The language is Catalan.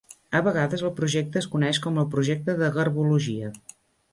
A vegades el projecte es coneix com el "projecte de garbologia".